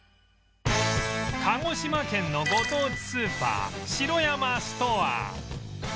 鹿児島県のご当地スーパー城山ストアー